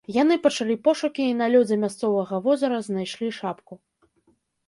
Яны пачалі пошукі і на лёдзе мясцовага возера знайшлі шапку.